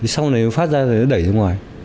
sau này phát ra rồi nó đẩy ra ngoài